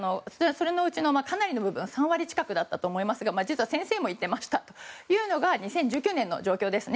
そのうちのかなりの部分３割近くだったと思いますが実は先生も言っていましたというのが２０１９年の状況ですね。